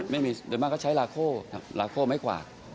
ไม่มีแต่เท่าที่เหมือนกันก็ใช้ลาโคไม่กวาด